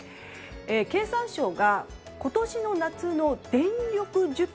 経産省が今年の夏の電力需給